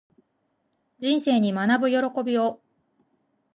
人生に学ぶ喜びを